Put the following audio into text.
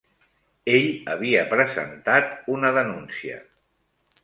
Ell havia presentat una denúncia.